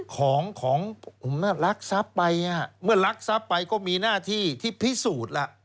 ของของผมรักทรัพย์ไปเมื่อรักทรัพย์ไปก็มีหน้าที่ที่พิสูจน์ล่ะ